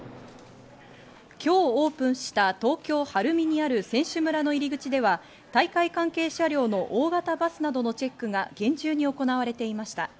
今日オープンした東京・晴海にある選手村の入口では大会関係車両の大型バスなどのチェックが厳重に行われていました。